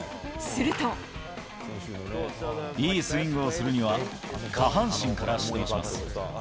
いいスイングをするには、下半身から始動します。